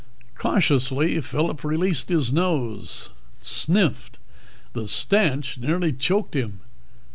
Cautiously, Phillip released his nose, sniffed. The stench nearly choked him.